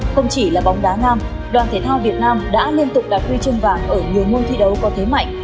không chỉ là bóng đá nam đoàn thể thao việt nam đã liên tục đạt huy chương vàng ở nhiều môn thi đấu có thế mạnh